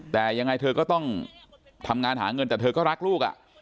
แต่ยังไงเธอก็ต้องทำงานหาเงินแต่เธอก็รักลูก